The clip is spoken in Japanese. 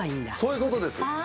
そういうことです。